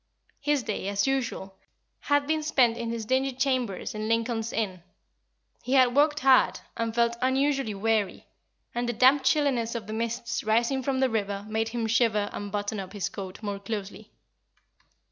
His day, as usual, had been spent in his dingy chambers in Lincoln's Inn; he had worked hard, and felt unusually weary, and the damp chilliness of the mists rising from the river made him shiver and button up his coat more closely.